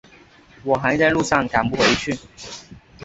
我还在路上赶不回去